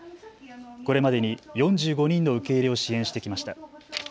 これまでに４５人の受け入れを支援してきました。